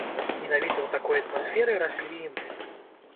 Менавіта ў такой атмасферы раслі і мы.